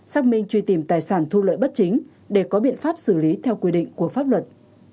xác minh truy tìm tài sản thu lợi bất chính để có biện pháp xử lý theo quy định của pháp luật